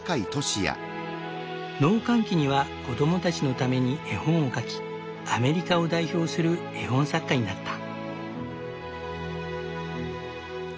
農閑期には子供たちのために絵本を描きアメリカを代表する絵本作家になった。